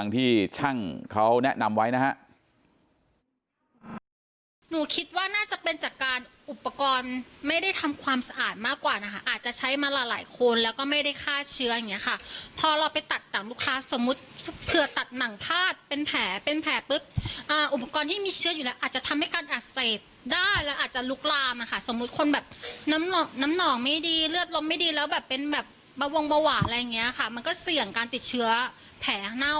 ที่ช่างเขาแนะนำไว้นะฮะ